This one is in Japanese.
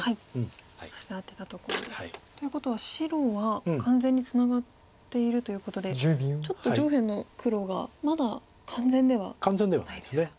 ということは白は完全にツナがっているということでちょっと上辺の黒がまだ完全ではないですか。